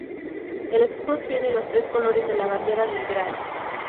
El escudo tiene los tres colores de la bandera del Gral.